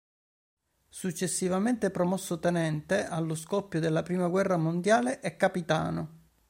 Successivamente promosso tenente, allo scoppio della prima guerra mondiale è capitano.